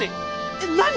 えっ何！？